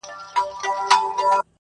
پردېسي خواره خواري ده وچوي د زړګي وینه-